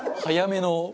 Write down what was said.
早めの。